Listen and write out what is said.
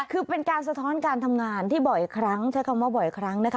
คือเป็นการสะท้อนการทำงานที่บ่อยครั้งใช้คำว่าบ่อยครั้งนะคะ